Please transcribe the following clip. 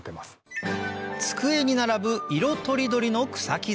机に並ぶ色とりどりの草木